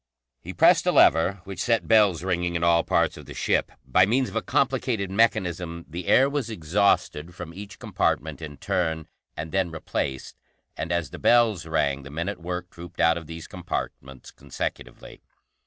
He pressed a lever, which set bells ringing in all parts of the ship. By means of a complicated mechanism, the air was exhausted from each compartment in turn, and then replaced, and as the bells rang, the men at work trooped out of these compartments consecutively.